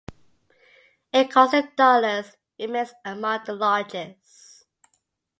In constant dollars, it remains among the largest.